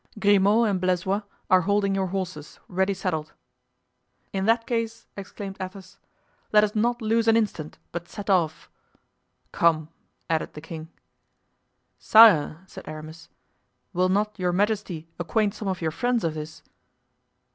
"Grimaud and Blaisois are holding your horses, ready saddled." "In that case," exclaimed Athos, "let us not lose an instant, but set off." "Come," added the king. "Sire," said Aramis, "will not your majesty acquaint some of your friends of this?"